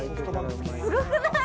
すごくない？